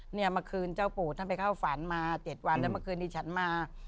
เนี่ยเมื่อคืนเจ้าปู่ท่านไปเข้าฝันมา๗วันแล้วเมื่อคืนนี้ฉันมา